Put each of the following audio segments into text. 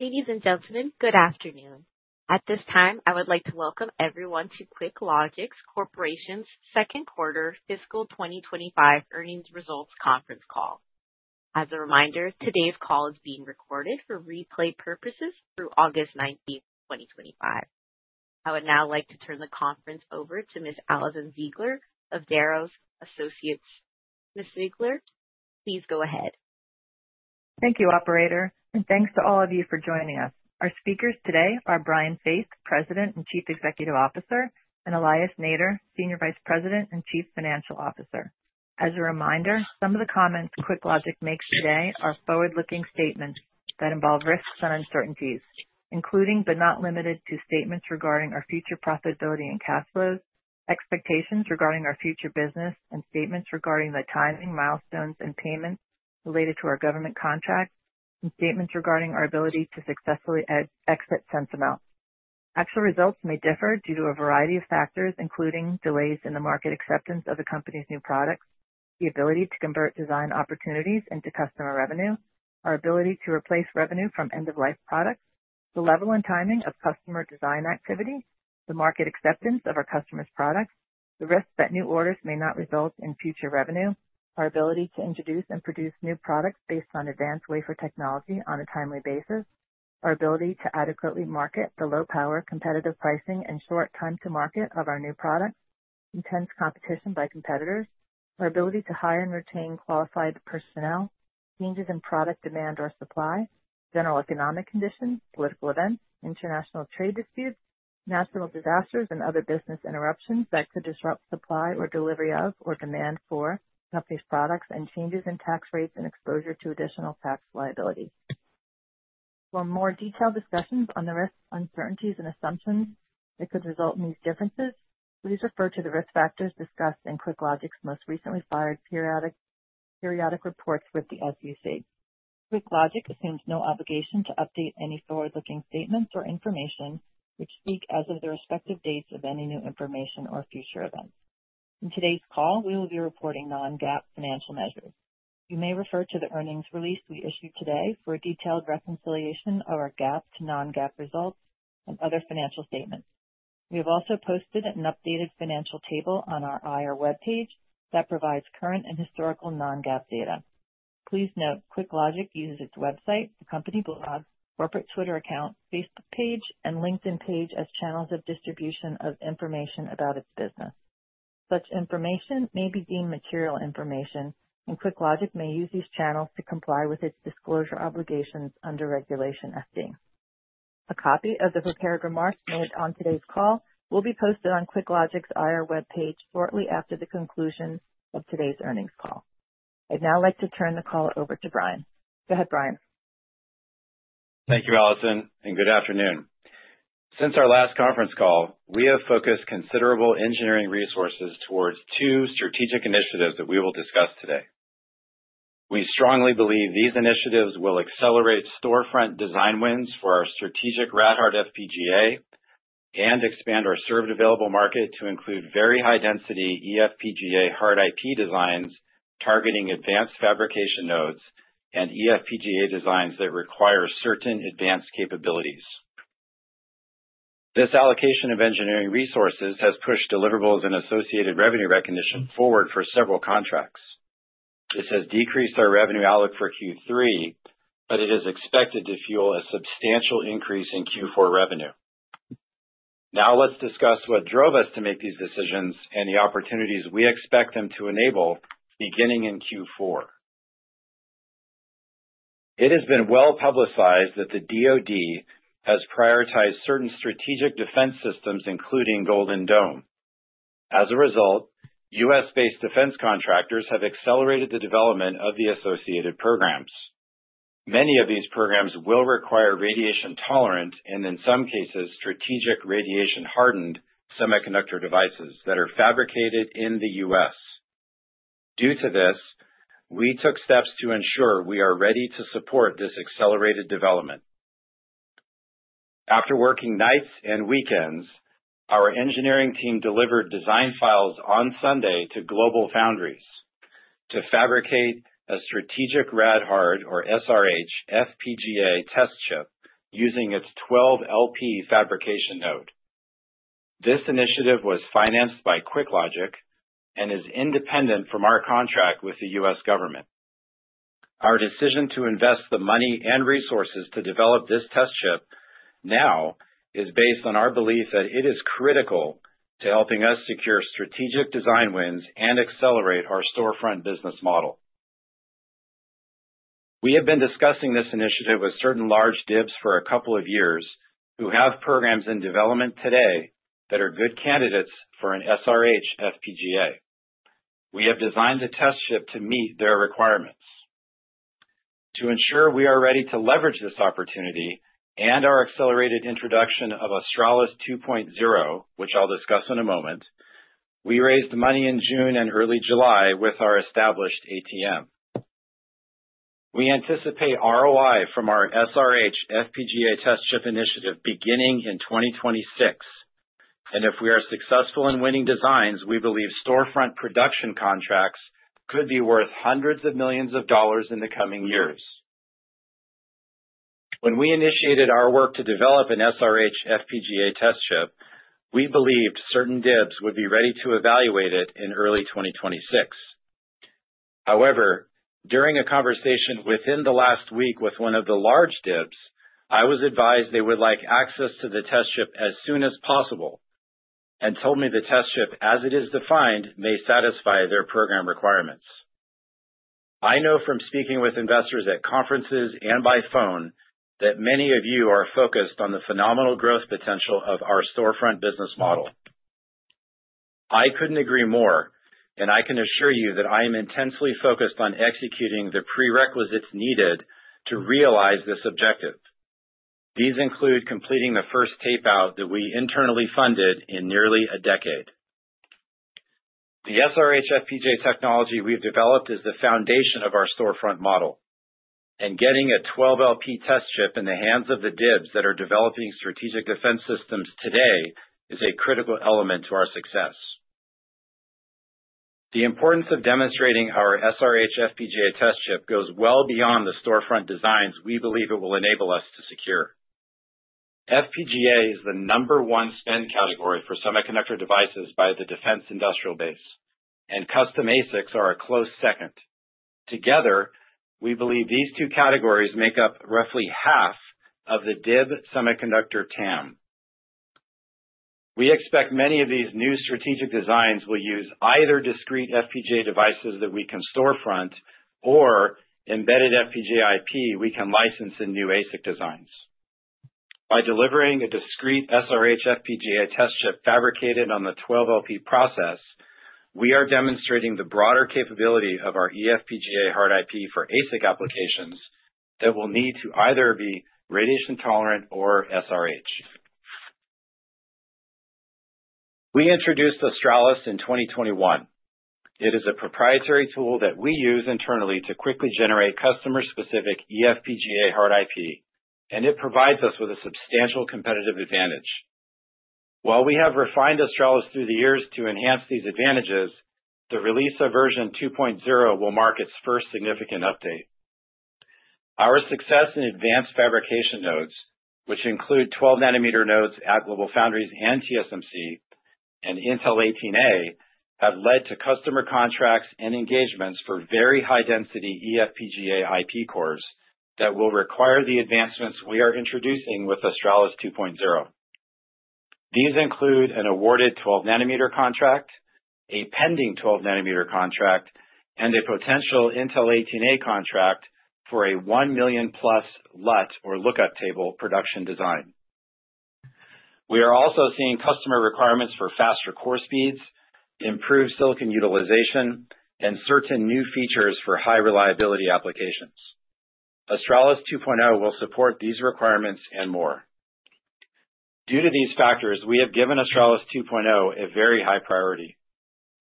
Ladies and gentlemen, good afternoon. At this time, I would like to welcome everyone to QuickLogic Corporation's second quarter fiscal 2025 earnings results conference call. As a reminder, today's call is being recorded for replay purposes through August 19, 2025. I would now like to turn the conference over to Ms. Alison Ziegler of Darrow Associates. Ms. Ziegler, please go ahead. Thank you, Operator, and thanks to all of you for joining us. Our speakers today are Brian Faith, President and Chief Executive Officer, and Elias Nader, Senior Vice President and Chief Financial Officer. As a reminder, some of the comments QuickLogic makes today are forward-looking statements that involve risks and uncertainties, including but not limited to statements regarding our future profitability and cash flow, expectations regarding our future business, and statements regarding the timing, milestones, and payments related to our government contracts, and statements regarding our ability to successfully export sense amounts. Actual results may differ due to a variety of factors, including delays in the market acceptance of a company's new products, the ability to convert design opportunities into customer revenue, our ability to replace revenue from end-of-life products, the level and timing of customer design activity, the market acceptance of our customer's products, the risk that new orders may not result in future revenue, our ability to introduce and produce new products based on advanced wafer technology on a timely basis, our ability to adequately market the low-power competitive pricing and short time to market of our new product, intense competition by competitors, our ability to hire and retain qualified personnel, changes in product demand or supply, general economic conditions, political events, international trade disputes, natural disasters, and other business interruptions that could disrupt supply or delivery of or demand for our products, and changes in tax rates and exposure to additional tax liabilities. For more detailed discussions on the risks, uncertainties, and assumptions that could result in these differences, please refer to the risk factors discussed in QuickLogic's most recently filed periodic reports with the SEC. QuickLogic assumes no obligation to update any forward-looking statements or information which speak as of the respective dates of any new information or future events. In today's call, we will be reporting non-GAAP financial measures. You may refer to the earnings release we issued today for a detailed reconciliation of our GAAP to non-GAAP results and other financial statements. We have also posted an updated financial table on our IR webpage that provides current and historical non-GAAP data. Please note QuickLogic uses its website, the company blog, corporate Twitter account, Facebook page, and LinkedIn page as channels of distribution of information about its business. Such information may be deemed material information, and QuickLogic may use these channels to comply with its disclosure obligations under Regulation FD. A copy of the prepared remarks made on today's call will be posted on QuickLogic's IR webpage shortly after the conclusion of today's earnings call. I'd now like to turn the call over to Brian. Go ahead, Brian. Thank you, Alison, and good afternoon. Since our last conference call, we have focused considerable engineering resources towards two strategic initiatives that we will discuss today. We strongly believe these initiatives will accelerate storefront design wins for our strategic Rad-Hard FPGA and expand our served available market to include very high-density eFPGA hard IP designs targeting advanced fabrication nodes and eFPGA designs that require certain advanced capabilities. This allocation of engineering resources has pushed deliverables and associated revenue recognition forward for several contracts. This has decreased our revenue outlook for Q3, but it is expected to fuel a substantial increase in Q4 revenue. Now let's discuss what drove us to make these decisions and the opportunities we expect them to enable beginning in Q4. It has been well-publicized that the DOD has prioritized certain strategic defense systems, including Golden Dome. As a result, US-based defense contractors have accelerated the development of the associated programs. Many of these programs will require radiation-tolerant and, in some cases, strategic radiation-hardened semiconductor devices that are fabricated in the U.S. Due to this, we took steps to ensure we are ready to support this accelerated development. After working nights and weekends, our engineering team delivered design files on Sunday to GlobalFoundries to fabricate a strategic Rad-Hard or SRH FPGA test chip using its 12LP fabrication node. This initiative was financed by QuickLogic and is independent from our contract with the US government. Our decision to invest the money and resources to develop this test chip now is based on our belief that it is critical to helping us secure strategic design wins and accelerate our storefront business model. We have been discussing this initiative with certain large DIBs companies for a couple of years who have programs in development today that are good candidates for an SRH FPGA. We have designed a test chip to meet their requirements. To ensure we are ready to leverage this opportunity and our accelerated introduction of Australis 2.0, which I'll discuss in a moment, we raised money in June and early July with our established ATM sales. We anticipate ROI from our SRH FPGA test chip initiative beginning in 2026, and if we are successful in winning designs, we believe storefront production contracts could be worth hundreds of millions of dollars in the coming years. When we initiated our work to develop an SRH FPGA test chip, we believed certain DIBs would be ready to evaluate it in early 2026. However, during a conversation within the last week with one of the large DIBs, I was advised they would like access to the test chip as soon as possible and told me the test chip, as it is defined, may satisfy their program requirements. I know from speaking with investors at conferences and by phone that many of you are focused on the phenomenal growth potential of our storefront business model. I couldn't agree more, and I can assure you that I am intensely focused on executing the prerequisites needed to realize this objective. These include completing the first tapeout that we internally funded in nearly a decade. The SRH FPGA technology we've developed is the foundation of our storefront model, and getting a 12LP test chip in the hands of the DIBs that are developing strategic defense systems today is a critical element to our success. The importance of demonstrating our SRH FPGA test chip goes well beyond the storefront designs we believe it will enable us to secure. FPGA is the number one spend category for semiconductor devices by the defense industrial base, and custom ASICs are a close second. Together, we believe these two categories make up roughly half of the DIB semiconductor TAM. We expect many of these new strategic designs will use either discrete FPGA devices that we can storefront or embedded FPGA IP we can license in new ASIC designs. By delivering a discrete SRH FPGA test chip fabricated on the 12LP process, we are demonstrating the broader capability of our eFPGA hard IP for ASIC applications that will need to either be radiation-tolerant or SRH. We introduced Australis in 2021. It is a proprietary tool that we use internally to quickly generate customer-specific eFPGA hard IP, and it provides us with a substantial competitive advantage. While we have refined Australis through the years to enhance these advantages, the release of version 2.0 will mark its first significant update. Our success in advanced fabrication nodes, which include 12 nm nodes at GlobalFoundries and TSMC and Intel 18A, have led to customer contracts and engagements for very high-density eFPGA IP cores that will require the advancements we are introducing with Australis 2.0. These include an awarded 12 nm contract, a pending 12 nm contract, and a potential Intel 18A contract for a $1 million+ LUT or lookup table production design. We are also seeing customer requirements for faster core speeds, improved silicon utilization, and certain new features for high-reliability applications. Australis 2.0 will support these requirements and more. Due to these factors, we have given Australis 2.0 a very high priority.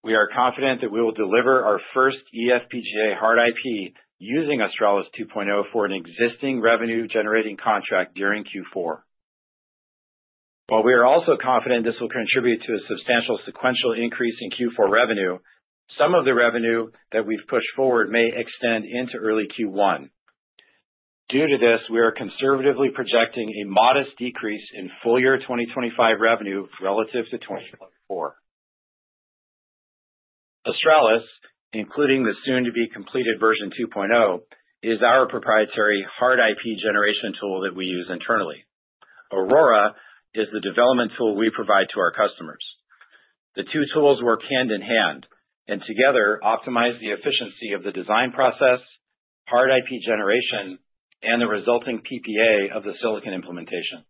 We are confident that we will deliver our first eFPGA hard IP using Australis 2.0 for an existing revenue-generating contract during Q4. While we are also confident this will contribute to a substantial sequential increase in Q4 revenue, some of the revenue that we've pushed forward may extend into early Q1. Due to this, we are conservatively projecting a modest decrease in full-year 2025 revenue relative to 2024. Australis, including the soon-to-be completed version 2.0, is our proprietary hard IP generation tool that we use internally. Aurora is the development tool we provide to our customers. The two tools work hand in hand and together optimize the efficiency of the design process, hard IP generation, and the resulting PPA of the silicon implementation.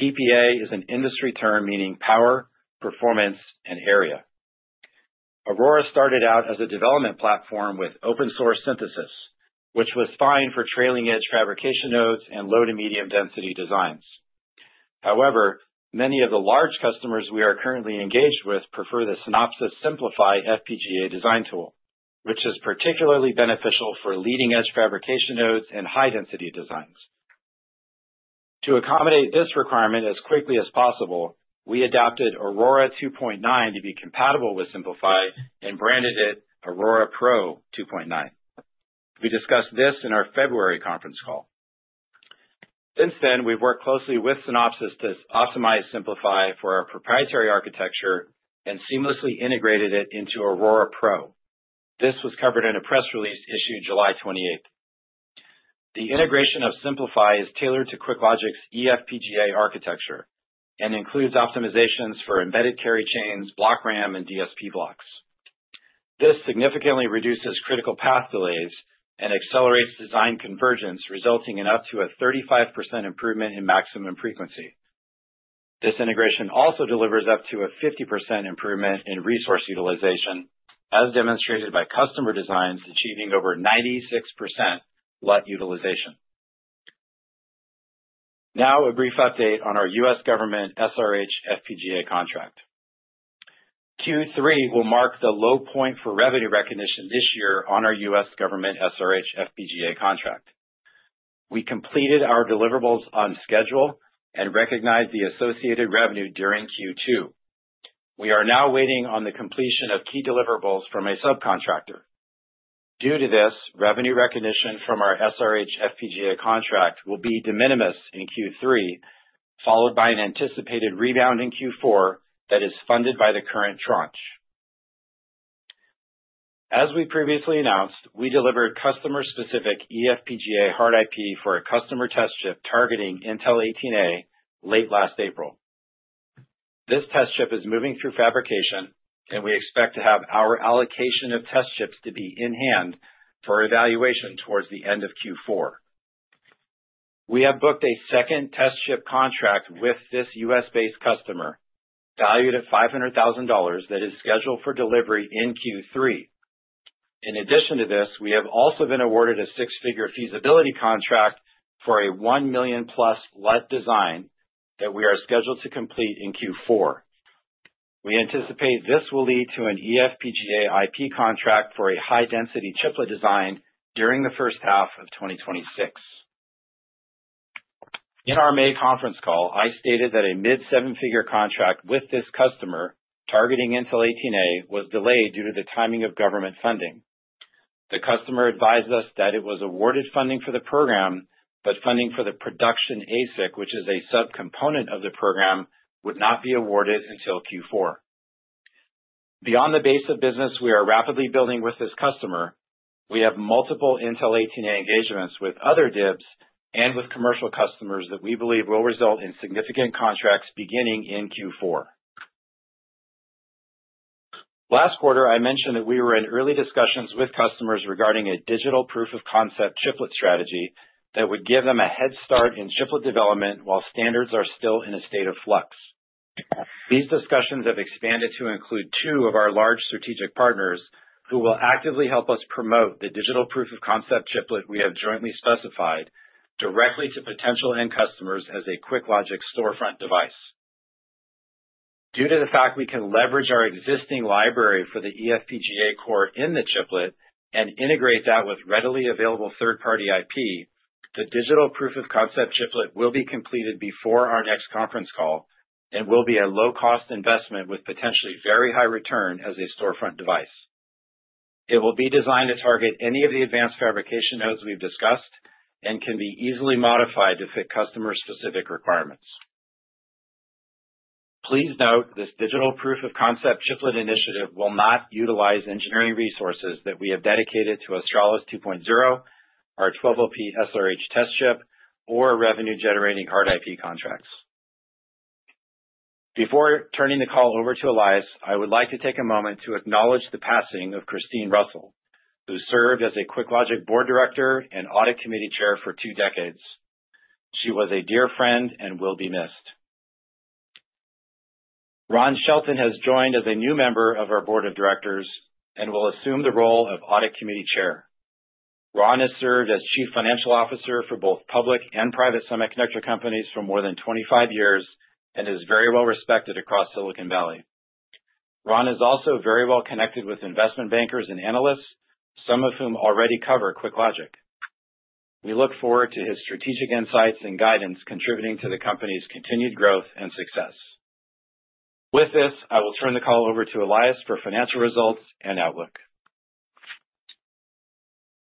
PPA is an industry term meaning power, performance, and area. Aurora started out as a development platform with open-source synthesis, which was fine for trailing-edge fabrication nodes and low to medium density designs. However, many of the large customers we are currently engaged with prefer the Synopsys Synplify FPGA design tool, which is particularly beneficial for leading-edge fabrication nodes and high-density designs. To accommodate this requirement as quickly as possible, we adopted Aurora 2.9 to be compatible with Synplify and branded it Aurora Pro 2.9. We discussed this in our February conference call. Since then, we've worked closely with Synopsys to optimize Synplify for our proprietary architecture and seamlessly integrated it into Aurora Pro. This was covered in a press release issued July 28th. The integration of Synplify is tailored to QuickLogic's eFPGA architecture and includes optimizations for embedded carry chains, block RAM, and DSP blocks. This significantly reduces critical path delays and accelerates design convergence, resulting in up to a 35% improvement in maximum frequency. This integration also delivers up to a 50% improvement in resource utilization, as demonstrated by customer designs achieving over 96% LUT utilization. Now, a brief update on our US government SRH FPGA contract. Q3 will mark the low point for revenue recognition this year on our US government SRH FPGA contract. We completed our deliverables on schedule and recognized the associated revenue during Q2. We are now waiting on the completion of key deliverables from a subcontractor. Due to this, revenue recognition from our SRH FPGA contract will be de minimis in Q3, followed by an anticipated rebound in Q4 that is funded by the current tranche. As we previously announced, we delivered customer-specific eFPGA hard IP for a customer test chip targeting Intel 18A late last April. This test chip is moving through fabrication, and we expect to have our allocation of test chips to be in hand for evaluation towards the end of Q4. We have booked a second test chip contract with this US-based customer valued at $500,000 that is scheduled for delivery in Q3. In addition to this, we have also been awarded a six-figure feasibility contract for a 1 million LUT design that we are scheduled to complete in Q4. We anticipate this will lead to an eFPGA IP contract for a high-density chiplet design during the first half of 2026. In our May conference call, I stated that a mid-seven-figure contract with this customer targeting Intel 18A was delayed due to the timing of government funding. The customer advised us that it was awarded funding for the program, but funding for the production ASIC, which is a subcomponent of the program, would not be awarded until Q4. Beyond the base of business, we are rapidly building with this customer. We have multiple Intel 18A engagements with other DIBs and with commercial customers that we believe will result in significant contracts beginning in Q4. Last quarter, I mentioned that we were in early discussions with customers regarding a digital proof-of-concept chiplet strategy that would give them a head start in chiplet development while standards are still in a state of flux. These discussions have expanded to include two of our large strategic partners who will actively help us promote the digital proof-of-concept chiplet we have jointly specified directly to potential end customers as a QuickLogic storefront device. Due to the fact we can leverage our existing library for the eFPGA core in the chiplet and integrate that with readily available third-party IP, the digital proof-of-concept chiplet will be completed before our next conference call and will be a low-cost investment with potentially very high return as a storefront device. It will be designed to target any of the advanced fabrication nodes we've discussed and can be easily modified to fit customer-specific requirements. Please note this digital proof-of-concept chiplet initiative will not utilize engineering resources that we have dedicated to Australis 2.0, our 12LP SRH test chip, or revenue-generating hard IP contracts. Before turning the call over to Elias, I would like to take a moment to acknowledge the passing of Christine Russell, who served as a QuickLogic board director and Audit Committee Chair for two decades. She was a dear friend and will be missed. Ron Shelton has joined as a new member of our Board of Directors and will assume the role of Audit Committee Chair. Ron has served as Chief Financial Officer for both public and private semiconductor companies for more than 25 years and is very well respected across Silicon Valley. Ron is also very well connected with investment bankers and analysts, some of whom already cover QuickLogic. We look forward to his strategic insights and guidance, contributing to the company's continued growth and success. With this, I will turn the call over to Elias for financial results and outlook.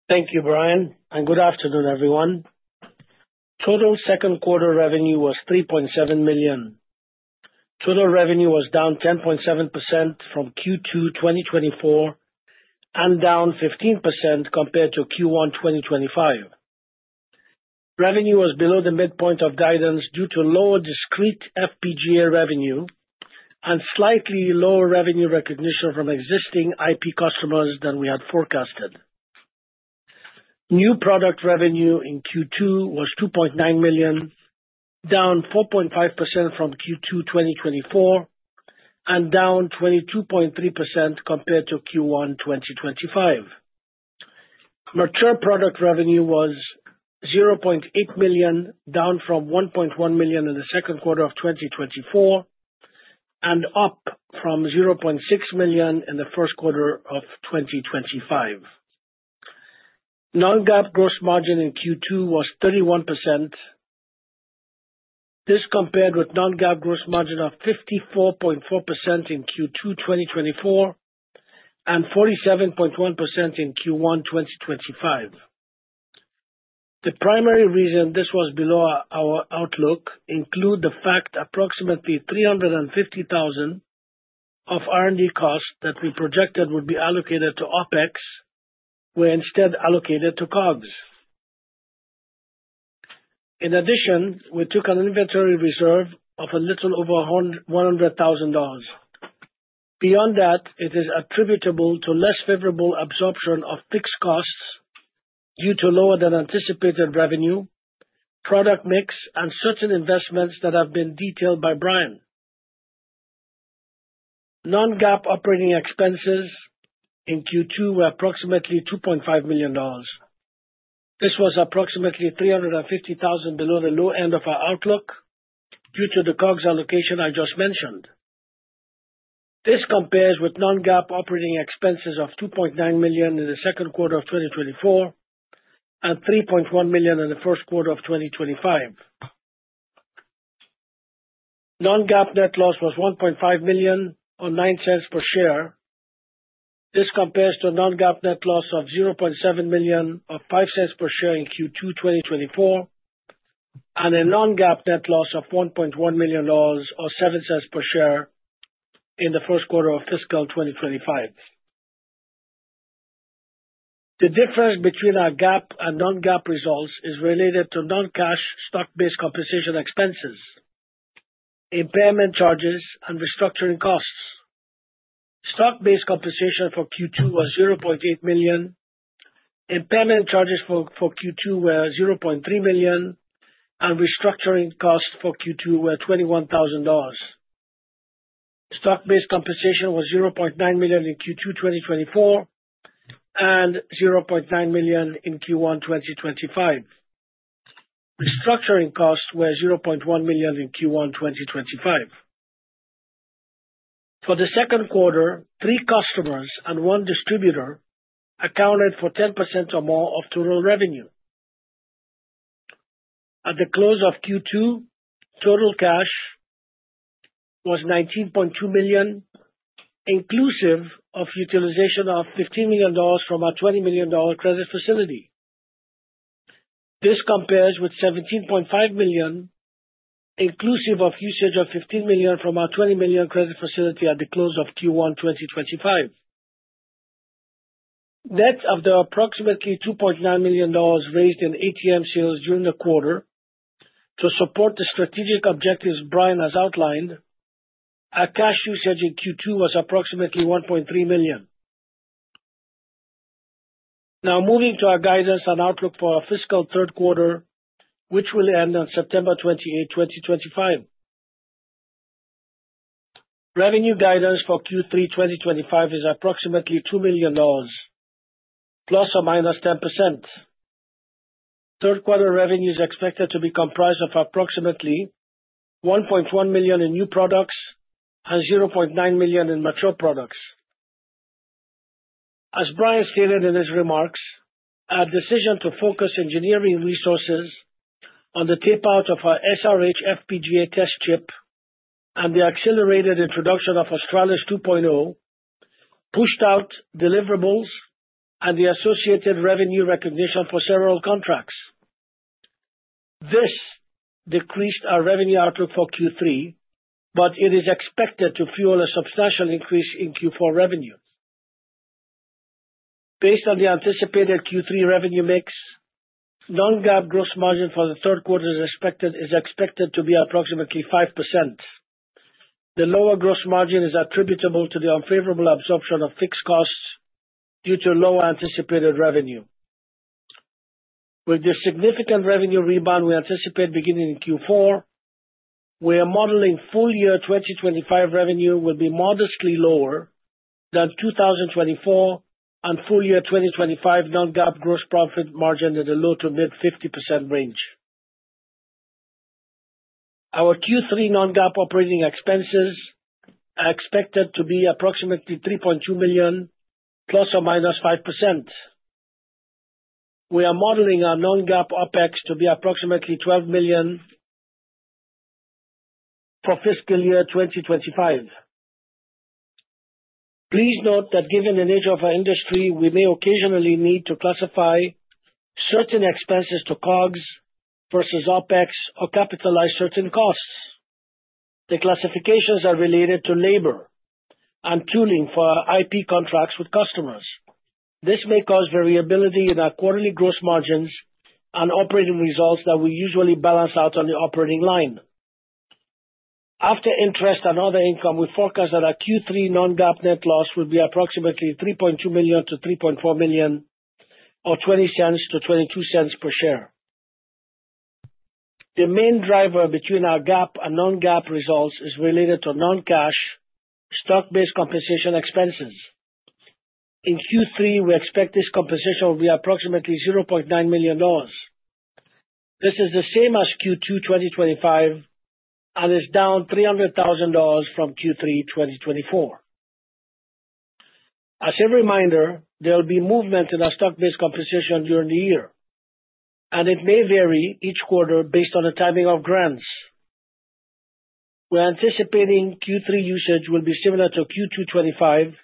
Thank you, Brian, and good afternoon, everyone. Total second-quarter revenue was $3.7 million. Total revenue was down 10.7% from Q2 2024 and down 15% compared to Q1 2025. Revenue was below the midpoint of guidance due to lower discrete FPGA revenue and slightly lower revenue recognition from existing IP customers than we had forecasted. New product revenue in Q2 was $2.9 million, down 4.5% from Q2 2024, and down 22.3% compared to Q1 2025. Mature product revenue was $0.8 million, down from $1.1 million in the second quarter of 2024, and up from $0.6 million in the First Quarter of 2025. Non-GAAP gross margin in Q2 was 31%. This compared with non-GAAP gross margin of 54.4% in Q2 2024 and 47.1% in Q1 2025. The primary reason this was below our outlook includes the fact that approximately $350,000 of R&D costs that we projected would be allocated to OpEx were instead allocated to COGS. In addition, we took an inventory reserve of a little over $100,000. Beyond that, it is attributable to less favorable absorption of fixed costs due to lower than anticipated revenue, product mix, and certain investments that have been detailed by Brian. Non-GAAP operating expenses in Q2 were approximately $2.5 million. This was approximately $350,000 below the low end of our outlook due to the COGS allocation I just mentioned. This compares with non-GAAP operating expenses of $2.9 million in the second quarter of 2024 and $3.1 million in the First Quarter of 2025. Non-GAAP net loss was $1.5 million or $0.09 per share. This compares to a non-GAAP net loss of $0.7 million or $0.05 per share in Q2 2024 and a non-GAAP net loss of $1.1 million or $0.07 per share in the First Quarter of fiscal 2025. The difference between our GAAP and non-GAAP results is related to non-cash stock-based compensation expenses, impairment charges, and restructuring costs. Stock-based compensation for Q2 was $0.8 million. Impairment charges for Q2 were $0.3 million, and restructuring costs for Q2 were $21,000. Stock-based compensation was $0.9 million in Q2 2024 and $0.9 million in Q1 2025. Restructuring costs were $0.1 million in Q1 2025. For the second quarter, three customers and one distributor accounted for 10% or more of total revenue. At the close of Q2, total cash was $19.2 million, inclusive of utilization of $15 million from our $20 million credit facility. This compares with $17.5 million, inclusive of usage of $15 million from our $20 million credit facility at the close of Q1 2025. Net of the approximately $2.9 million raised in ATM sales during the quarter, to support the strategic objectives Brian has outlined, our cash usage in Q2 was approximately $1.3 million. Now, moving to our guidance and outlook for our fiscal third quarter, which will end on September 28, 2025. Revenue guidance for Q3 2025 is approximately $2 million, ±10%. Third quarter revenue is expected to be comprised of approximately $1.1 million in new products and $0.9 million in mature products. As Brian stated in his remarks, our decision to focus engineering resources on the tapeout of our Rad-Hard (SRH) FPGA test chip and the accelerated introduction of Australis 2.0 pushed out deliverables and the associated revenue recognition for several contracts. This decreased our revenue outlook for Q3, but it is expected to fuel a substantial increase in Q4 revenue. Based on the anticipated Q3 revenue mix, non-GAAP gross margin for the third quarter is expected to be approximately 5%. The lower gross margin is attributable to the unfavorable absorption of fixed costs due to lower anticipated revenue. With this significant revenue rebound, we anticipate beginning in Q4, we are modeling full-year 2025 revenue will be modestly lower than 2024 and full-year 2025 non-GAAP gross profit margin in the low to mid-50% range. Our Q3 non-GAAP operating expenses are expected to be approximately $3.2 million, ±5%. We are modeling our non-GAAP OpEx to be approximately $12 million for fiscal year 2025. Please note that given the nature of our industry, we may occasionally need to classify certain expenses to COGS versus OpEx or capitalize certain costs. The classifications are related to labor and tooling for our IP contracts with customers. This may cause variability in our quarterly gross margins and operating results that we usually balance out on the operating line. After interest and other income, we forecast that our Q3 non-GAAP net loss will be approximately $3.2 million-$3.4 million or $0.20-$0.22 per share. The main driver between our GAAP and non-GAAP results is related to non-cash stock-based compensation expenses. In Q3, we expect this compensation will be approximately $0.9 million. This is the same as Q2 2025 and is down $300,000 from Q3 2024. As a reminder, there will be movement in our stock-based compensation during the year, and it may vary each quarter based on the timing of grants. We're anticipating Q3 usage will be similar to Q2 2025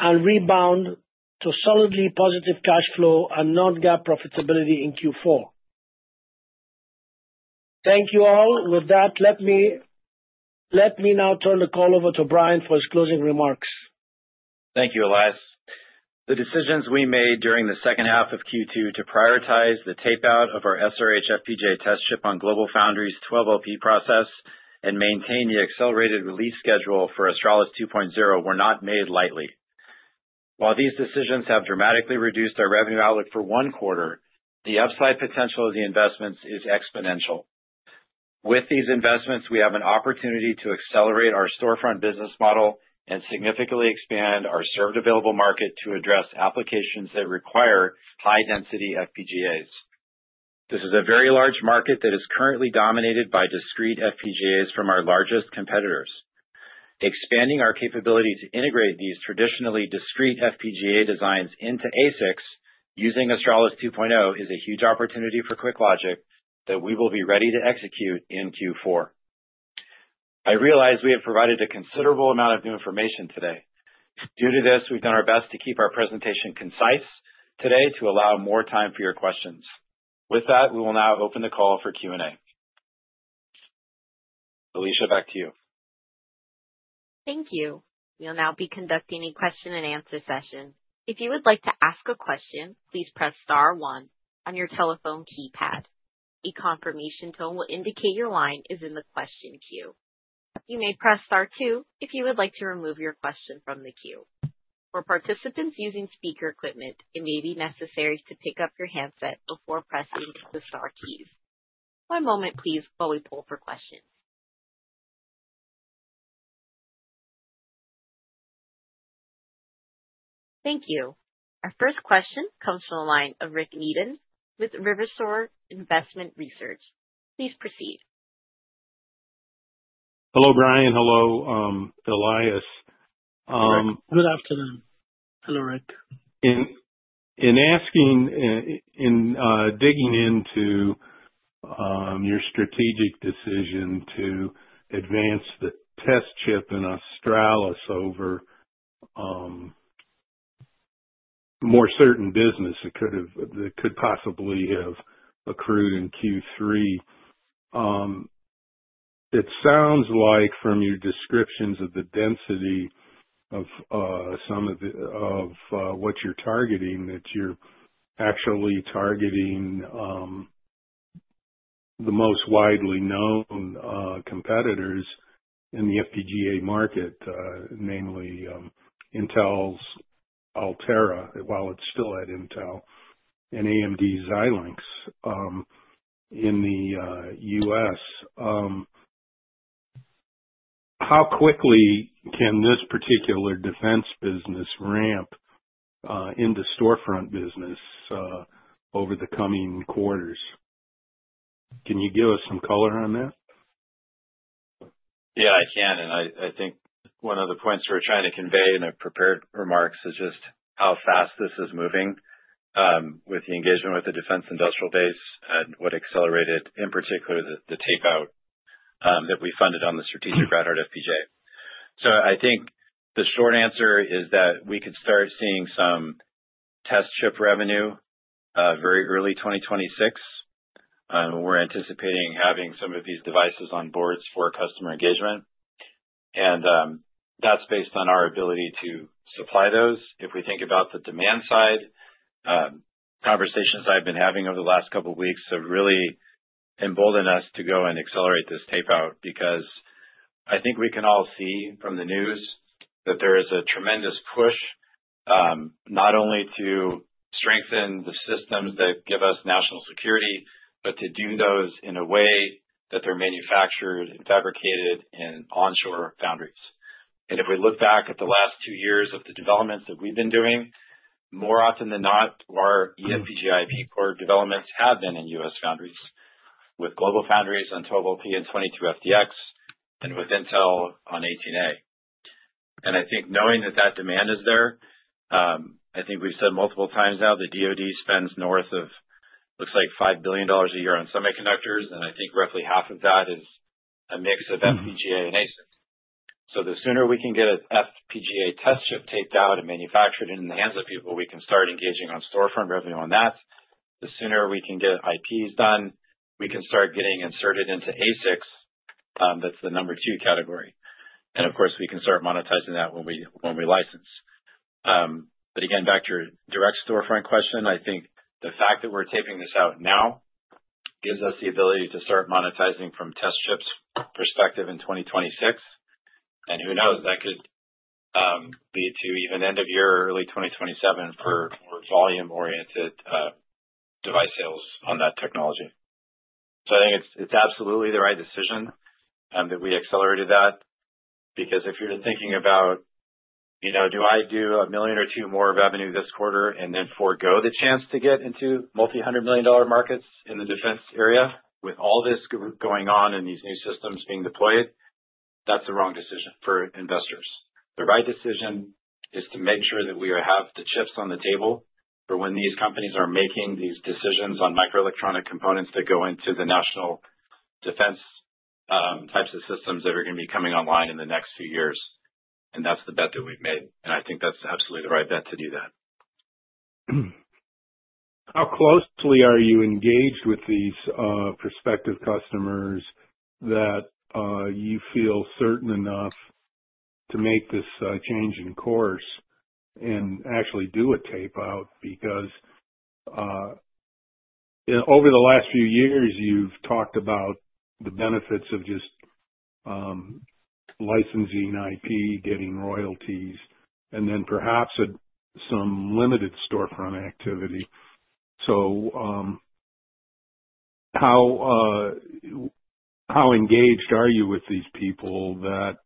and rebound to solidly positive cash flow and non-GAAP profitability in Q4. Thank you all. With that, let me now turn the call over to Brian for his closing remarks. Thank you, Elias. The decisions we made during the second half of Q2 to prioritize the tapeout of our Rad-Hard (SRH) FPGA test chip on GlobalFoundries' 12LP process and maintain the accelerated release schedule for Australis 2.0 were not made lightly. While these decisions have dramatically reduced our revenue outlook for one quarter, the upside potential of the investments is exponential. With these investments, we have an opportunity to accelerate our storefront business model and significantly expand our served available market to address applications that require high-density FPGAs. This is a very large market that is currently dominated by discrete FPGAs from our largest competitors. Expanding our capability to integrate these traditionally discrete FPGA designs into ASICs using Australis 2.0 is a huge opportunity for QuickLogic that we will be ready to execute in Q4. I realize we have provided a considerable amount of new information today. Due to this, we've done our best to keep our presentation concise today to allow more time for your questions. With that, we will now open the call for Q&A. Alicia, back to you. Thank you. We'll now be conducting a question-and-answer session. If you would like to ask a question, please press star one on your telephone keypad. A confirmation tone will indicate your line is in the question queue. You may press star two if you would like to remove your question from the queue. For participants using speaker equipment, it may be necessary to pick up your handset before pressing the star keys. One moment, please, while we pull for questions. Thank you. Our first question comes from the line of Rick Neaton with Rivershore Investment Research. Please proceed. Hello, Brian. Hello, Elias. Good afternoon. Hello, Rick. In digging into your strategic decision to advance the test chip in Australis over more certain business that could possibly have accrued in Q3, it sounds like from your descriptions of the density of some of what you're targeting, that you're actually targeting the most widely known competitors in the FPGA market, namely Intel's Altera, while it's still at Intel, and AMD's Xilinx in the U.S. How quickly can this particular defense business ramp into storefront business over the coming quarters? Can you give us some color on that? Yeah, I can. I think one of the points we're trying to convey in our prepared remarks is just how fast this is moving with the engagement with the defense industrial base and what accelerated, in particular, the tapeout that we funded on the strategic Rad-Hard (SRH) FPGA. I think the short answer is that we could start seeing some test chip revenue very early 2026. We're anticipating having some of these devices on boards for customer engagement, and that's based on our ability to supply those. If we think about the demand side, conversations I've been having over the last couple of weeks have really emboldened us to go and accelerate this tapeout because I think we can all see from the news that there is a tremendous push not only to strengthen the systems that give us national security, but to do those in a way that they're manufactured and fabricated in onshore foundries. If we look back at the last two years of the developments that we've been doing, more often than not, our eFPGA IP core developments have been in U.S. foundries with GlobalFoundries on 12LP and 22FDX and with Intel on 18A. I think knowing that that demand is there, I think we've said multiple times now the DOD spends north of, looks like, $5 billion a year on semiconductors, and I think roughly half of that is a mix of FPGA and ASIC. The sooner we can get an FPGA test chip taped out and manufactured in the hands of people, we can start engaging on storefront revenue on that. The sooner we can get IPs done, we can start getting inserted into ASICs. That's the number two category, and of course, we can start monetizing that when we license. Again, back to your direct storefront question, I think the fact that we're taping this out now gives us the ability to start monetizing from a test chips perspective in 2026. Who knows, that could lead to even end-of-year, early 2027 for more volume-oriented device sales on that technology. I think it's absolutely the right decision that we accelerated that because if you're thinking about, you know, do I do a millimeter or two more revenue this quarter and then forego the chance to get into multi-hundred million dollar markets in the defense area with all this going on and these new systems being deployed, that's the wrong decision for investors. The right decision is to make sure that we have the chips on the table for when these companies are making these decisions on microelectronic components that go into the national defense types of systems that are going to be coming online in the next few years. That's the bet that we've made, and I think that's absolutely the right bet to do that. How closely are you engaged with these prospective customers that you feel certain enough to make this change in course and actually do a tapeout? Because over the last few years, you've talked about the benefits of just licensing IP, getting royalties, and then perhaps some limited storefront production contracts. How engaged are you with these people that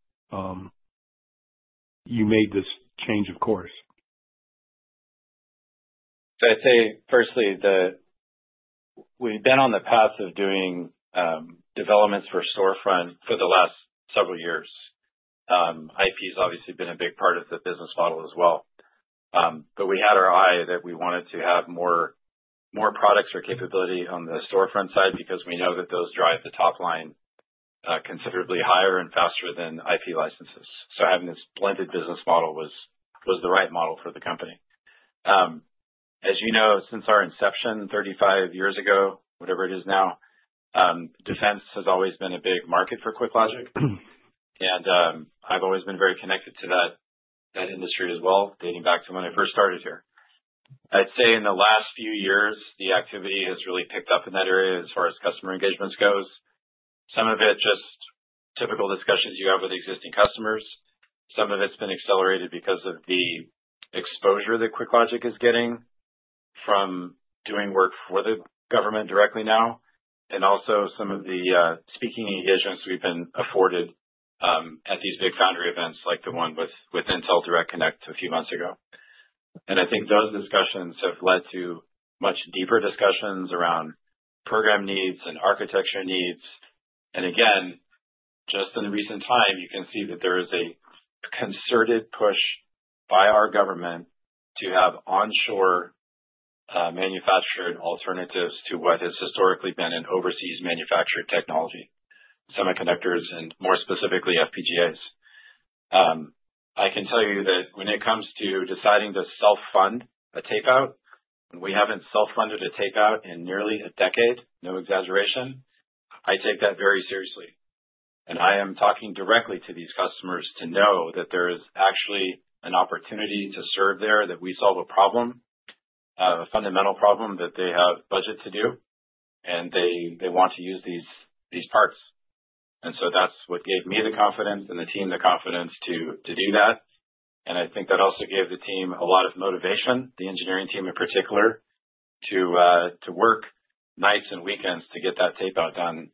you made this change of course? I'd say, firstly, that we've been on the path of doing developments for storefront for the last several years. IP's obviously been a big part of the business model as well. We had our eye that we wanted to have more products or capability on the storefront side because we know that those drive the top line considerably higher and faster than IP licenses. Having this blended business model was the right model for the company. As you know, since our inception 35 years ago, whatever it is now, defense has always been a big market for QuickLogic. I've always been very connected to that industry as well, dating back to when I first started here. In the last few years, the activity has really picked up in that area as far as customer engagements go. Some of it's just typical discussions you have with existing customers. Some of it's been accelerated because of the exposure that QuickLogic is getting from doing work for the government directly now. Also, some of the speaking engagements we've been afforded at these big foundry events like the one with Intel Direct Connect a few months ago. I think those discussions have led to much deeper discussions around program needs and architecture needs. Just in recent time, you can see that there is a concerted push by our government to have onshore manufactured alternatives to what has historically been an overseas manufactured technology, semiconductors and more specifically FPGAs. I can tell you that when it comes to deciding to self-fund a tapeout, we haven't self-funded a tapeout in nearly a decade, no exaggeration. I take that very seriously. I am talking directly to these customers to know that there is actually an opportunity to serve there, that we solve a problem, a fundamental problem that they have budget to do, and they want to use these parts. That's what gave me the confidence and the team the confidence to do that. I think that also gave the team a lot of motivation, the engineering team in particular, to work nights and weekends to get that tapeout done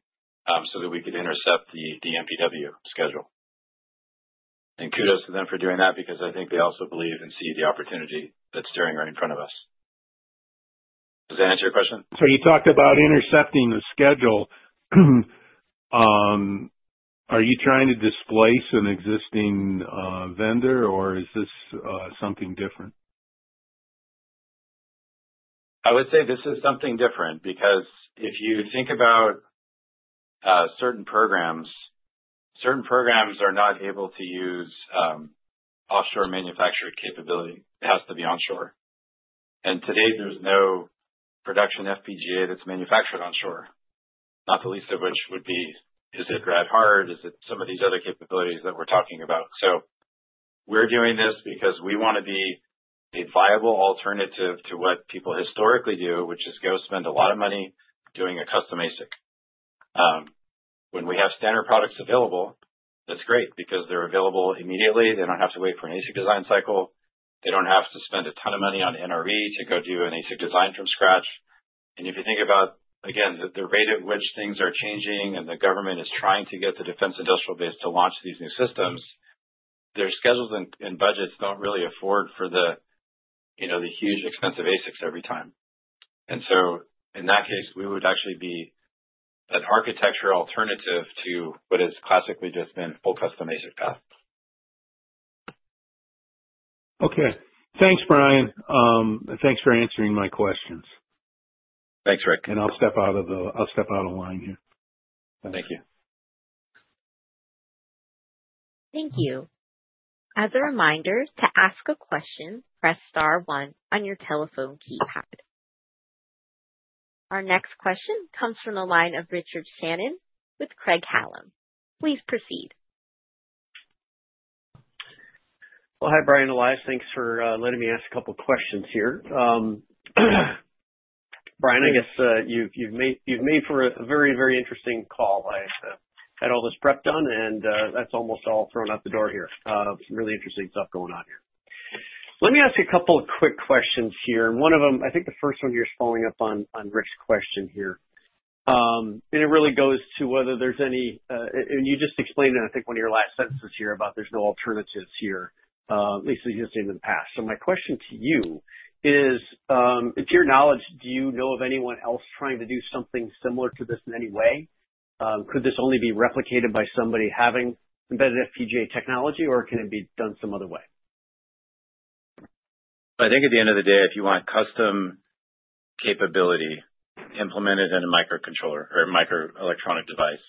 so that we could intercept the MPW schedule. Kudos to them for doing that because I think they also believe and see the opportunity that's standing right in front of us. Does that answer your question? You talked about intercepting the schedule. Are you trying to displace an existing vendor, or is this something different? I would say this is something different because if you think about certain programs, certain programs are not able to use offshore manufacturing capability. It has to be onshore. Today, there's no production FPGA that's manufactured onshore, not the least of which would be, is it radiation-hardened? Is it some of these other capabilities that we're talking about? We're doing this because we want to be a viable alternative to what people historically do, which is go spend a lot of money doing a custom ASIC. When we have standard products available, that's great because they're available immediately. They don't have to wait for an ASIC design cycle. They don't have to spend a ton of money on NRE to go do an ASIC design from scratch. If you think about, again, the rate at which things are changing and the government is trying to get the defense industrial base to launch these new systems, their schedules and budgets don't really afford for the huge expensive ASICs every time. In that case, we would actually be an architectural alternative to what has classically just been a full custom ASIC path. Okay. Thanks, Brian. Thanks for answering my questions. Thanks, Rick. I'll step out of the line here. Thank you. Thank you. As a reminder, to ask a question, press star one on your telephone keypad. Our next question comes from the line of Richard Shannon with Craig-Hallum. Please proceed. Hi, Brian, Elias. Thanks for letting me ask a couple of questions here. Brian, I guess you've made for a very, very interesting call. I had all this prep done, and that's almost all thrown out the door here. Some really interesting stuff going on here. Let me ask you a couple of quick questions here. One of them, I think the first one here is following up on Rick's question here. It really goes to whether there's any, and you just explained it, I think, one of your last sentences here about there's no alternatives here, at least existing in the past. My question to you is, to your knowledge, do you know of anyone else trying to do something similar to this in any way? Could this only be replicated by somebody having embedded FPGA technology, or can it be done some other way? I think at the end of the day, if you want custom capability implemented in a microcontroller or a microelectronic device,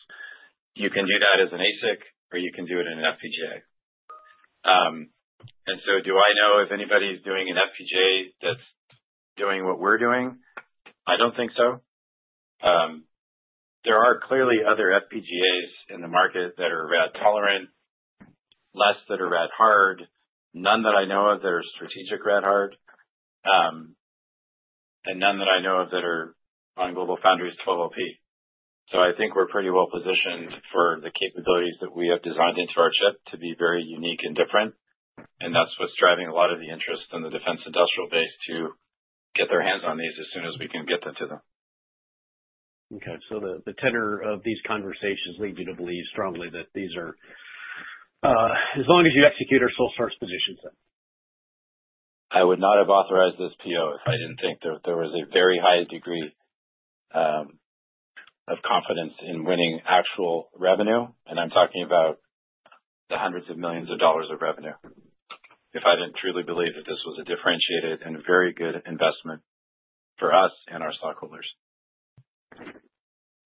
you can do that as an ASIC, or you can do it in an FPGA. Do I know if anybody's doing an FPGA that's doing what we're doing? I don't think so. There are clearly other FPGAs in the market that are radiation-tolerant, fewer that are radiation-hardened, none that I know of that are strategic radiation-hardened, and none that I know of that are on GlobalFoundries 12LP. I think we're pretty well-positioned for the capabilities that we have designed into our chip to be very unique and different. That's what's driving a lot of the interest in the defense industrial base to get their hands on these as soon as we can get them to them. Okay. The tenor of these conversations leads you to believe strongly that these are, as long as you execute our sole source positions, then? I would not have authorized this PO if I didn't think that there was a very high degree of confidence in winning actual revenue. I'm talking about the hundreds of millions of dollars of revenue if I didn't truly believe that this was a differentiated and very good investment for us and our stockholders.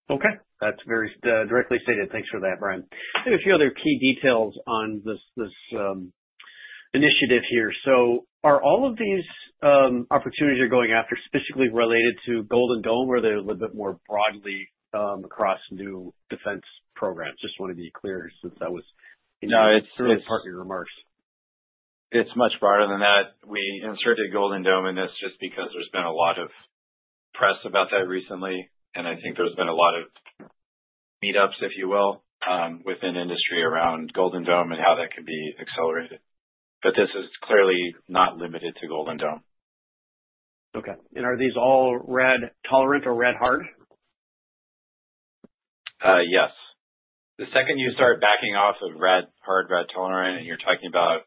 Okay. That's very directly stated. Thanks for that, Brian. I have a few other key details on this initiative here. Are all of these opportunities you're going after specifically related to Golden Dome, or are they a little bit more broadly across new defense programs? I just want to be clear since that was. No, it's really partly remarks. It's much broader than that. We inserted Golden Dome, and that's just because there's been a lot of press about that recently. I think there's been a lot of meetups, if you will, within industry around Golden Dome and how that could be accelerated. This is clearly not limited to Golden Dome. Okay. Are these all radiation-tolerant or radiation-hardened? Yes. The second you start backing off of radiation-hardened, radiation-tolerant, and you're talking about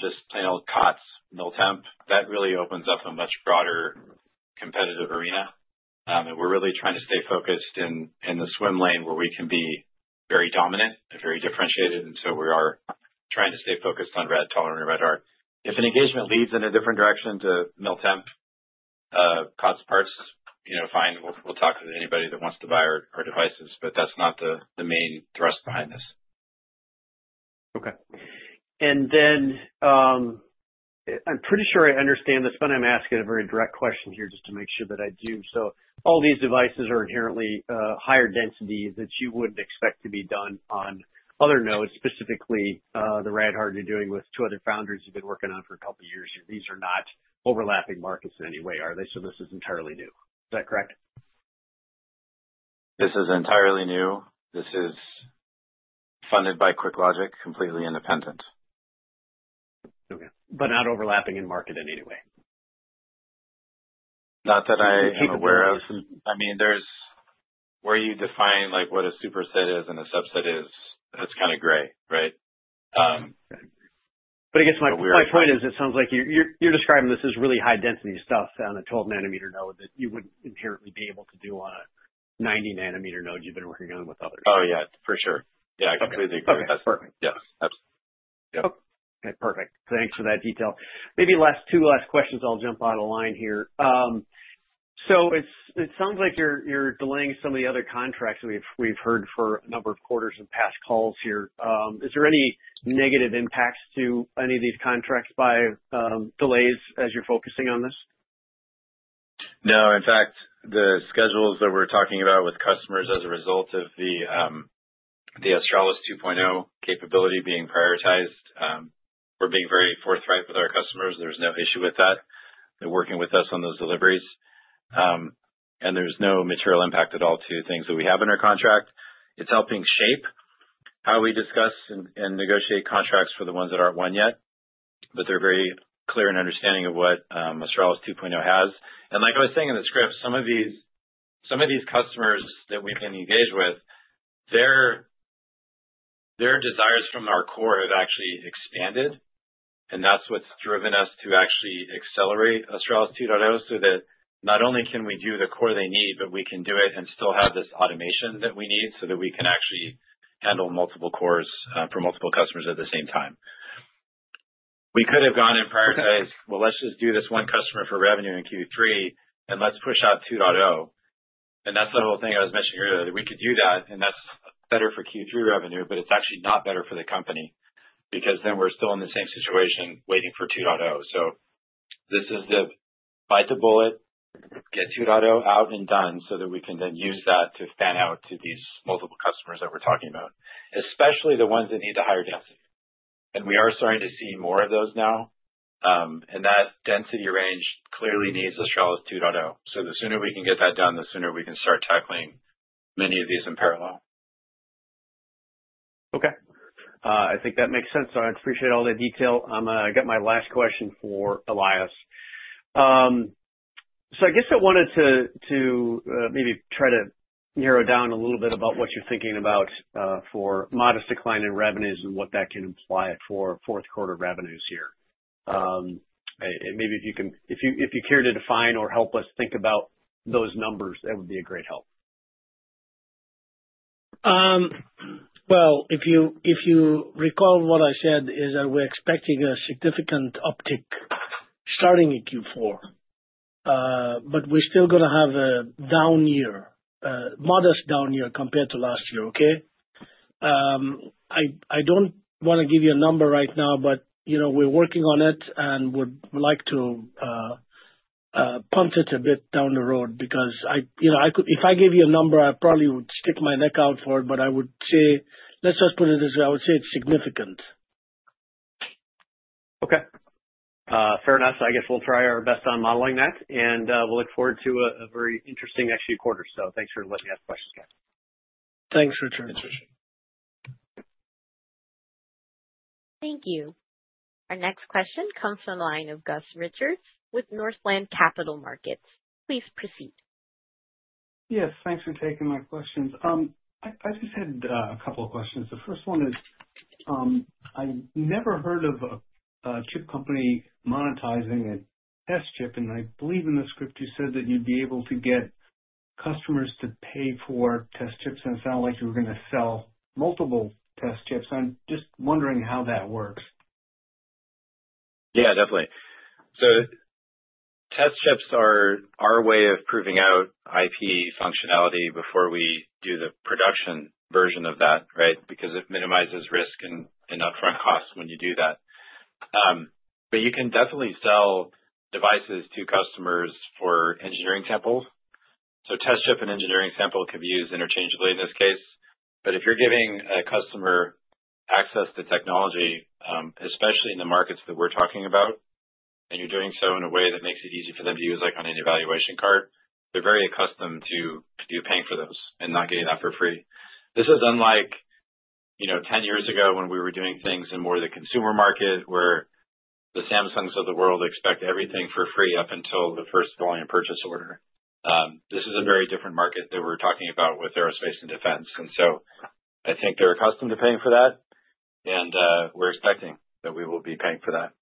just plain old COTS, no temp, that really opens up a much broader competitive arena. We are really trying to stay focused in the swim lane where we can be very dominant and very differentiated. We are trying to stay focused on radiation-tolerant and radiation-hardened. If an engagement leads in a different direction to no temp, COTS parts, you know, fine. We'll talk to anybody that wants to buy our devices, but that's not the main thrust behind this. Okay. I'm pretty sure I understand this, but I'm asking a very direct question here just to make sure that I do. All these devices are inherently higher density that you wouldn't expect to be done on other nodes, specifically the Rad-Hard you're doing with two other foundries you've been working on for a couple of years here. These are not overlapping markets in any way, are they? This is entirely new. Is that correct? This is entirely new. This is funded by QuickLogic, completely independent. Okay, not overlapping in market in any way? Not that I am aware of. I mean, there's where you define what a superset is and a subset is, that's kind of gray, right? I guess my point is it sounds like you're describing this as really high-density stuff on a 12LP process node that you wouldn't inherently be able to do on a 90 nm node you've been working on with others. Yeah, for sure. Yeah, I completely agree with that. Okay. Perfect. Yes, absolutely. Yep. Okay. Perfect. Thanks for that detail. Maybe two last questions, I'll jump out of line here. It sounds like you're delaying some of the other contracts we've heard for a number of quarters of past calls here. Is there any negative impacts to any of these contracts by delays as you're focusing on this? No. In fact, the schedules that we're talking about with customers as a result of the Australis 2.0 capability being prioritized, we're being very forthright with our customers. There's no issue with that. They're working with us on those deliveries, and there's no material impact at all to things that we have in our contract. It's helping shape how we discuss and negotiate contracts for the ones that aren't won yet. They're very clear in understanding of what Australis 2.0 has. Like I was saying in the script, some of these customers that we've been engaged with, their desires from our core have actually expanded. That's what's driven us to actually accelerate Australis 2.0 so that not only can we do the core they need, but we can do it and still have this automation that we need so that we can actually handle multiple cores for multiple customers at the same time. We could have gone and prioritized, let's just do this one customer for revenue in Q3, and let's push out 2.0. That's the whole thing I was mentioning earlier, that we could do that, and that's better for Q3 revenue, but it's actually not better for the company because then we're still in the same situation waiting for 2.0. This is the bite the bullet, get 2.0 out and done so that we can then use that to fan out to these multiple customers that we're talking about, especially the ones that need the higher density. We are starting to see more of those now. That density range clearly needs Australis 2.0. The sooner we can get that done, the sooner we can start tackling many of these in parallel. Okay, I think that makes sense. I appreciate all the detail. I'm going to get my last question for Elias. I wanted to maybe try to narrow down a little bit about what you're thinking about for modest decline in revenues and what that can imply for fourth quarter revenues here. If you care to define or help us think about those numbers, that would be a great help. If you recall what I said, we're expecting a significant uptick starting in Q4. We're still going to have a down year, a modest down year compared to last year, okay? I don't want to give you a number right now, but you know we're working on it, and we'd like to pump it a bit down the road because if I gave you a number, I probably would stick my neck out for it. I would say, let's just put it this way, I would say it's significant. Okay. Fair enough. I guess we'll try our best on modeling that. We'll look forward to a very interesting next few quarters. Thanks for letting me ask questions, guys. Thanks, Richard. Thank you. Our next question comes from the line of Gus Richards with Northland Capital Markets. Please proceed. Yes, thanks for taking my questions. I just had a couple of questions. The first one is, I never heard of a chip company monetizing a test chip, and I believe in the script you said that you'd be able to get customers to pay for test chips, and it sounded like you were going to sell multiple test chips. I'm just wondering how that works. Yeah, definitely. Test chips are our way of proving out IP functionality before we do the production version of that, right? It minimizes risk and upfront costs when you do that. You can definitely sell devices to customers for engineering samples. Test chip and engineering sample could be used interchangeably in this case. If you're giving a customer access to technology, especially in the markets that we're talking about, and you're doing so in a way that makes it easy for them to use, like on an evaluation cart, they're very accustomed to paying for those and not getting that for free. This is unlike, you know, 10 years ago when we were doing things in more of the consumer market where the Samsungs of the world expect everything for free up until the first volume purchase order. This is a very different market that we're talking about with aerospace and defense. I think they're accustomed to paying for that, and we're expecting that we will be paying for that.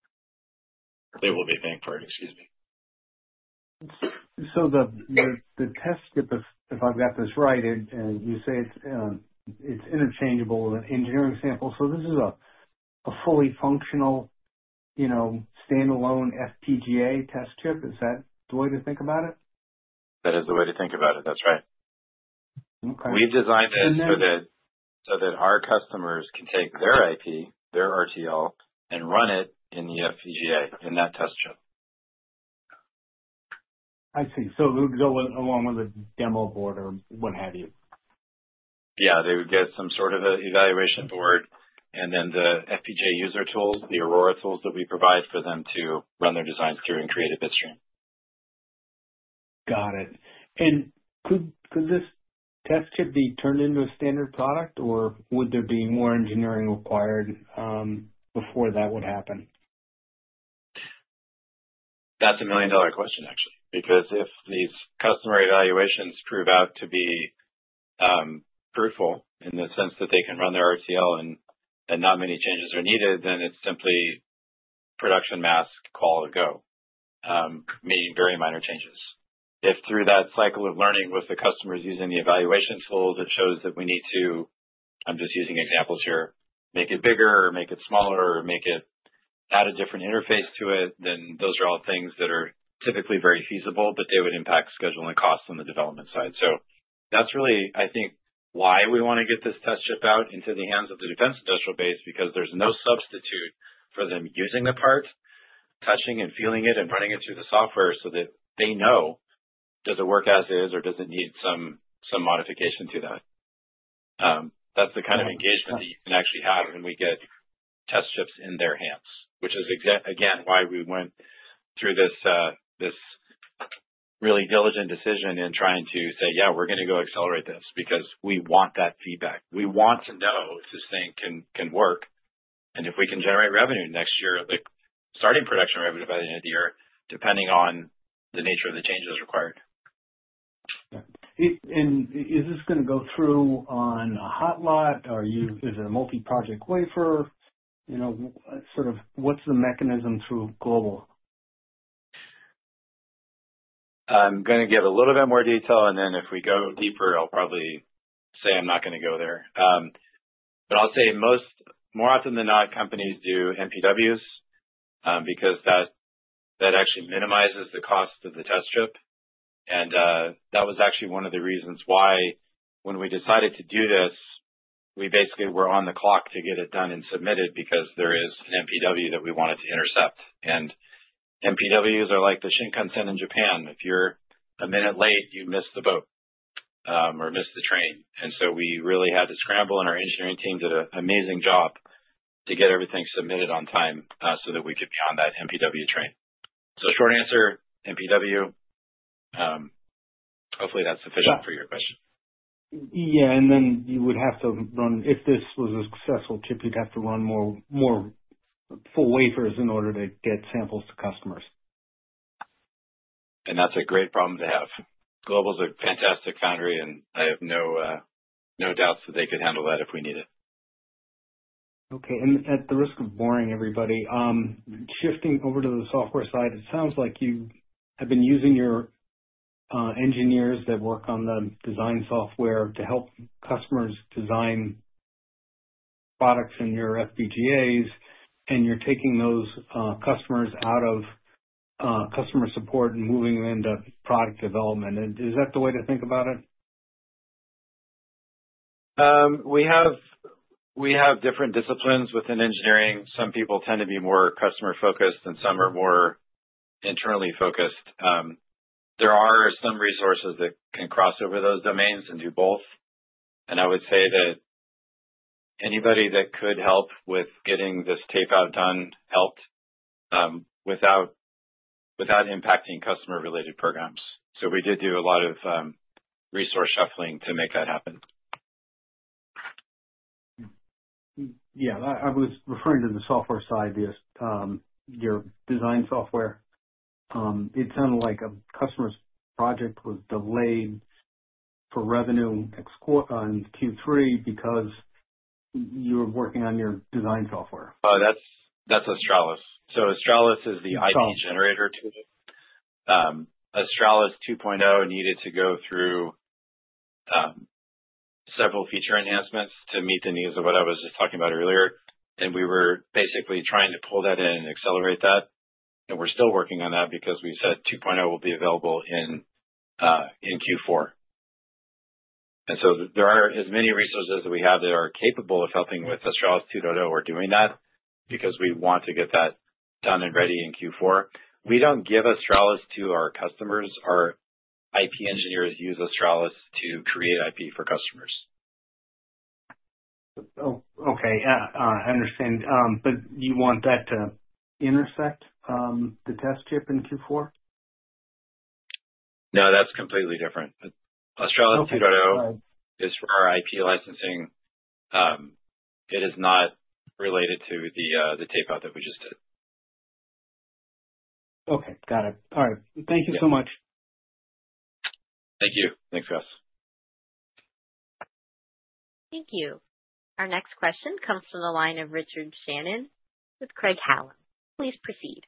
They will be paying for it, excuse me. If I've got this right, and you say it's interchangeable, the engineering sample, this is a fully functional, standalone FPGA test chip. Is that the way to think about it? That is the way to think about it. That's right. We designed that so that our customers could take their IP, their RTL, and run it in the FPGA in that test chip. I see. It would go along with a demo board or what have you. Yeah, they would get some sort of an evaluation board, and then the FPGA user tools, the Aurora Pro tools that we provide for them to run their designs through and create a bitstream. Could this test chip be turned into a standard product, or would there be more engineering required before that would happen? That's a million-dollar question, actually, because if these customer evaluations prove out to be fruitful in the sense that they can run their RTL and that not many changes are needed, then it's simply production mass call or go, meaning very minor changes. If through that cycle of learning with the customers using the evaluation tool that shows that we need to, I'm just using examples here, make it bigger or make it smaller or make it add a different interface to it, then those are all things that are typically very feasible, but they would impact scheduling costs on the development side. That's really, I think, why we want to get this test chip out into the hands of the defense industrial base because there's no substitute for them using the part, touching and feeling it, and running it through the software so that they know, does it work as is or does it need some modification to that? That's the kind of engagement that you can actually have when we get test chips in their hands, which is, again, why we went through this really diligent decision in trying to say, "Yeah, we're going to go accelerate this because we want that feedback. We want to know if this thing can work." If we can generate revenue next year, like starting production revenue by the end of the year, depending on the nature of the changes required. Okay. Is this going to go through on a hot lot? Is it a multi-project wafer? You know, what's the mechanism through GlobalFoundries? I'm going to give a little bit more detail, and then if we go deeper, I'll probably say I'm not going to go there. I'll say most more often than not, companies do MPWs because that actually minimizes the cost of the test chip. That was actually one of the reasons why when we decided to do this, we basically were on the clock to get it done and submitted because there is an MPW that we wanted to intercept. MPWs are like the Shinkansen in Japan. If you're a minute late, you miss the boat or miss the train. We really had to scramble, and our engineering team did an amazing job to get everything submitted on time so that we could be on that MPW train. Short answer, MPW. Hopefully, that's sufficient for your question. You would have to run, if this was a successful chip, you'd have to run more full wafers in order to get samples to customers. That's a great problem to have. GlobalFoundries is a fantastic foundry, and I have no doubts that they could handle that if we need it. Okay. At the risk of boring everybody, shifting over to the software side, it sounds like you have been using your engineers that work on the design software to help customers design products in your FPGAs, and you're taking those customers out of customer support and moving them into product development. Is that the way to think about it? We have different disciplines within engineering. Some people tend to be more customer-focused and some are more internally focused. There are some resources that can cross over those domains and do both. I would say that anybody that could help with getting this tapeout done helped without impacting customer-related programs. We did do a lot of resource shuffling to make that happen. Yeah, I was referring to the software side, your design software. It sounded like a customer's project was delayed for revenue in Q3 because you were working on your design software. Oh, that's Australis. Australis is the IP generator tools. Australis 2.0 needed to go through several feature enhancements to meet the needs of what I was just talking about earlier. We were basically trying to pull that in and accelerate that. We're still working on that because we said 2.0 will be available in Q4. There are as many resources that we have that are capable of helping with Australis 2.0 or doing that because we want to get that done and ready in Q4. We don't give Australis to our customers. Our IP engineers use Australis to create IP for customers. Oh, okay. I understand. You want that to intersect the test chip in Q4? No, that's completely different. Australis 2.0 is for our IP licensing. It is not related to the tapeout that we just did. Okay. Got it. All right. Thank you so much. Thank you. Thanks, Gus. Thank you. Our next question comes from the line of Richard Shannon with Craig-Hallum. Please proceed.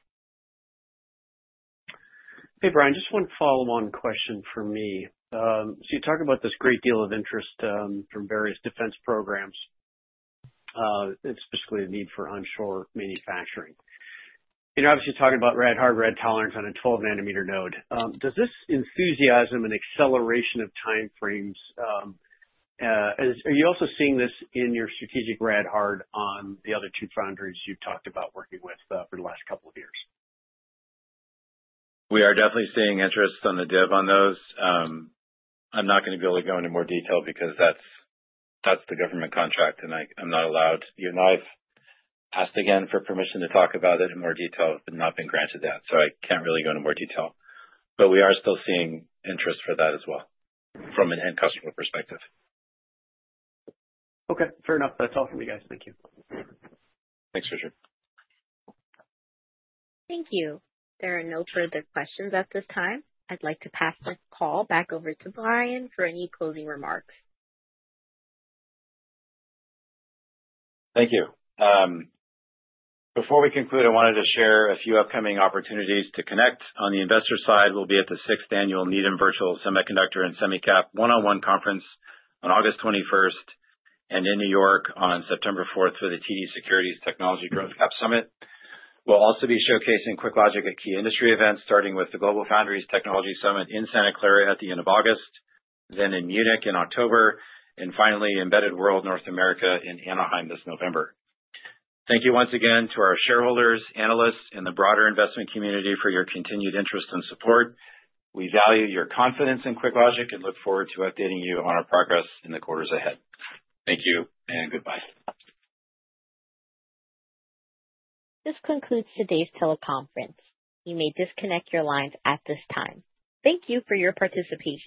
Hey, Brian. Just one follow-on question for me. You talk about this great deal of interest from various defense programs, and specifically the need for onshore manufacturing. Obviously, you're talking about Rad-Hard, Rad-Tolerance on a 12LP process node. Does this enthusiasm and acceleration of timeframes, are you also seeing this in your strategic Rad-Hard on the other two foundries you've talked about working with for the last couple of years? We are definitely seeing interest on the DIB on those. I'm not going to be able to go into more detail because that's the government contract, and I'm not allowed to talk about it in more detail. I've not been granted that, so I can't really go into more detail. We are still seeing interest for that as well from an end customer perspective. Okay. Fair enough. That's all from you guys. Thank you. Thanks, Richard. Thank you. There are no further questions at this time. I'd like to pass the call back over to Brian for any closing remarks. Thank you. Before we conclude, I wanted to share a few upcoming opportunities to connect. On the investor side, we'll be at the sixth annual Needham Virtual Semiconductor and Semicap one-on-one conference on August 21 and in New York on September 4 for the TD Securities Technology Growth Cap Summit. We'll also be showcasing QuickLogic at key industry events, starting with the GlobalFoundries Technology Summit in Santa Clara at the end of August, then in Munich in October, and finally, Embedded World North America in Anaheim this November. Thank you once again to our shareholders, analysts, and the broader investment community for your continued interest and support. We value your confidence in QuickLogic and look forward to updating you on our progress in the quarters ahead. Thank you and goodbye. This concludes today's teleconference. You may disconnect your lines at this time. Thank you for your participation.